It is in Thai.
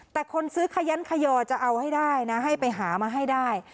แต่คนซื้อขยันขยอจะเอาให้ได้นะให้ไปหามาให้ได้